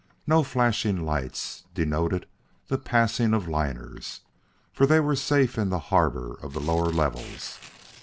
No flashing lights denoted the passing of liners, for they were safe in the harbor of the lower levels.